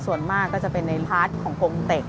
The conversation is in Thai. ส่วนมากจะเป็นในพาร์ทของโกงเต็ก